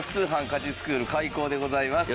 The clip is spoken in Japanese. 家事スクール開校でございます。